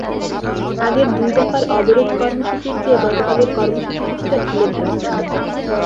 আগের দুই দফার অবরোধ কর্মসূচির চেয়ে গতকালের কর্মসূচি কিছুটা ঢিলেঢালা ছিল।